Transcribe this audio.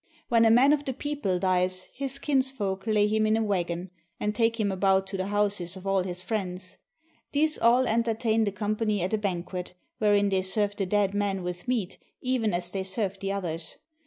When a man of the people dies his kinsfolk lay him in a wagon, and take him about to the houses of all his friends. These all entertain the company at a banquet, wherein they serve the dead man with meat even as they serve the others.